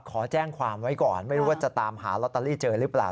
ขอแจ้งความไว้ก่อนไม่รู้ว่าจะตามหาลอตเตอรี่เจอหรือเปล่า